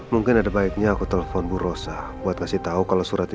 mungkin ada baiknya aku telepon bu rosa buat ngasih tahu apa yang terjadi